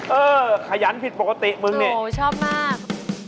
เออขยันผิดปกติมึงเนี่ยโหชอบมาก